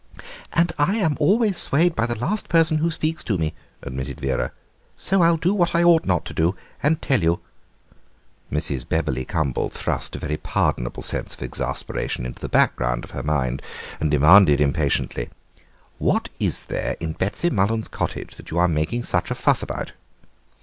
"And I am always swayed by the last person who speaks to me," admitted Vera, "so I'll do what I ought not to do and tell you." Mrs. Bebberley Cumble thrust a very pardonable sense of exasperation into the background of her mind and demanded impatiently: "What is there in Betsy Mullen's cottage that you are making such a fuss about?"